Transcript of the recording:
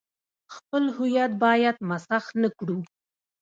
خپل هویت باید مسخ نه کړو.